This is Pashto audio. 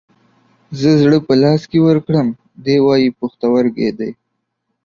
زه زړه په لاس کې ورکړم ، دى واي پښتورگى دى.